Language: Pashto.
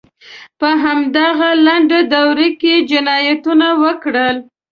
په همدغه لنډه دوره کې یې جنایتونه وکړل.